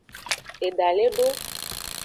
Eda le do.